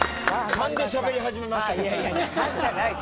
勘でしゃべり始めましたけどねあっ